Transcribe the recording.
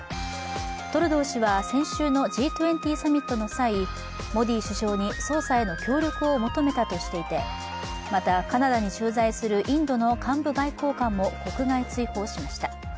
トルドー氏は先週のＧ２０サミットの際、モディ首相に捜査への協力を求めたとしていて、またカナダに駐在するインドの幹部外交官も国外追放しました。